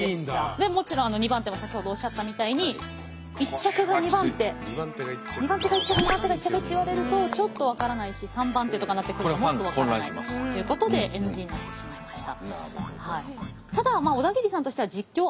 でもちろんニバンテも先ほどおっしゃったみたいに１着がニバンテニバンテが１着ニバンテが１着って言われるとちょっと分からないし３番手とかになってくるともっと分からないということでＮＧになってしまいました。